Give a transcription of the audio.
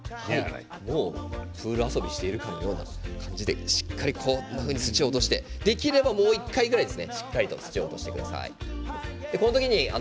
プール遊びをしているかのような感じで、しっかりと土を落としてできれば、もう１回ぐらいしっかりと土を落として洗ってください。